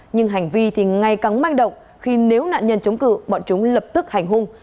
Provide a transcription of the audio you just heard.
nhưng hành vi thì ngày càng manh động khi nếu nạn nhân chống cự bọn chúng lập tức hành hung